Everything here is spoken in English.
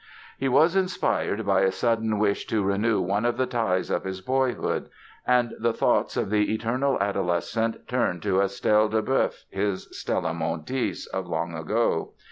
He was inspired by a sudden wish to renew one of the ties of his boyhood. And the thoughts of the eternal adolescent turned to Estelle Duboeuf, his "Stella Montis" of long ago.